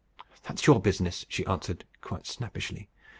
"That is your business," she answered, quite snappishly.